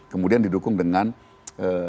kemudian didukung dengan hillary clinton